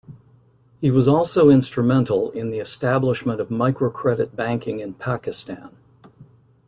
He was also instrumental in the establishment of microcredit banking in Pakistan.